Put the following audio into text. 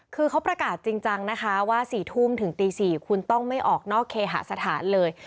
คือเขาประกาศจริงจังนะคะว่า๔ทุ่มถึงตี๔คุณต้องไม่ออกนอกเคหาสถานเลย